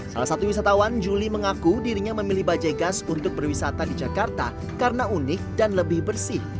salah satu wisatawan juli mengaku dirinya memilih bajai gas untuk berwisata di jakarta karena unik dan lebih bersih